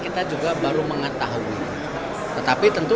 kita juga baru mengetahui tetapi tentu